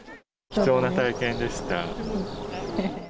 貴重な体験でした。